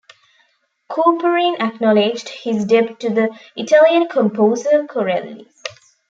Couperin acknowledged his debt to the Italian composer Corelli.